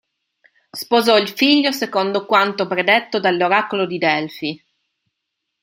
Sposò il figlio secondo quanto predetto dall'oracolo di Delfi.